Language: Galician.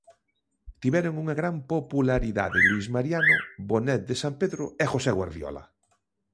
Tiveron unha gran popularidade Luís Mariano, Bonet de San Pedro e José Guardiola.